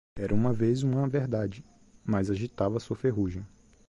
Era uma vez uma verdade, mas agitava sua ferrugem.